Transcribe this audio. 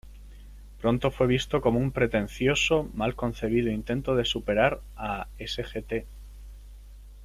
Pronto fue visto como un pretencioso, mal concebido intento de superar a "Sgt.